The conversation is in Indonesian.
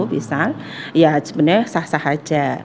pisang ya sebenarnya sah sah aja